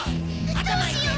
どうしよう？